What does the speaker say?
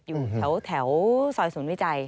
อยู่แถวซอยศูนย์วิจัย